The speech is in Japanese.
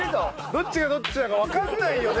「どっちがどっちだかわかんないよね」